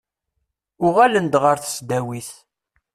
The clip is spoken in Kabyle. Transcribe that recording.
Uɣalen-d ɣer tesdawit.